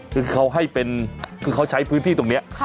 คือเขาให้เป็นคือเขาใช้พื้นที่ตรงนี้